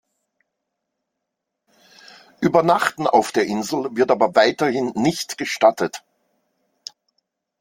Übernachten auf der Insel wird aber weiterhin nicht gestattet.